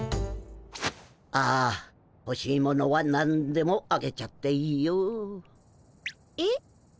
ああほしいものはなんでもあげちゃっていいよ。え？